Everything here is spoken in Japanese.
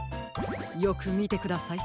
よくみてください。